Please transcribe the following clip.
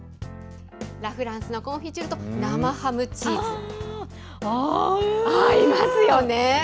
フランスのコンフィチュールと生ハム、チーズ。合いますよね。